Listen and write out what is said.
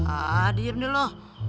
ah diem dulu